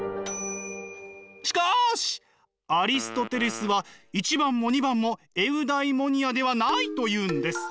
しかしアリストテレスは１番も２番もエウダイモニアではないと言うんです。